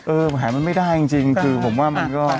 แผลมันไม่ได้จริงคือผมว่ามันก็